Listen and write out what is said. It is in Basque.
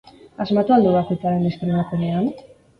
Asmatu al du bakoitzaren deskribapenean?